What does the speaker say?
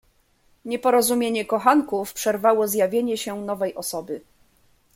"Nieporozumienie kochanków przerwało zjawienie się nowej osoby."